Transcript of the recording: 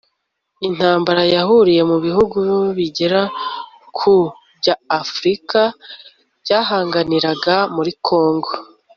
intambara yahuriye mo ibihugu bigera ku bya Afurika byahanganiraga muri Kongo